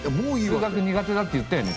数学苦手だって言ったよね